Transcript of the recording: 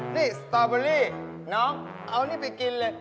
นี่สตอเบอรี่น้องเอานี่ไปกินเลย